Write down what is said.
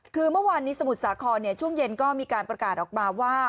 คือเมื่อวานนี้สมุทรสาครช่วงเย็นก็มีการประกาศออกมาว่า